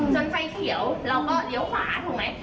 ไฟเขียวเราก็เลี้ยวขวาถูกไหม